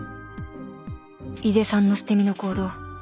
井出さんの捨て身の行動